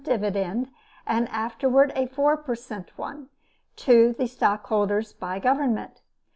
dividend, and afterward a four per cent. one, to the stockholders by Government.